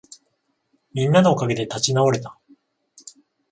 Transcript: みんなのおかげで立ち直れた